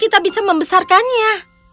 kita bisa membesarkannya